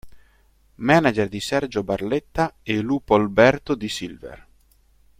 Manager di Sergio Barletta e Lupo Alberto di Silver.